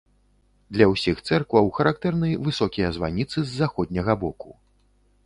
Для ўсіх цэркваў характэрны высокія званіцы з заходняга боку.